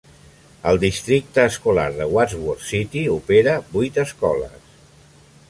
El districte escolar de Wadsworth City opera vuit escoles.